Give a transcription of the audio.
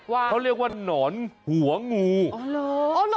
เขาเรียกว่าหนอนหัวงูอ๋อเหรอ